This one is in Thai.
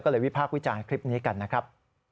ก็เลยวิพากษ์วิจารณ์คลิปนี้กันนะครับ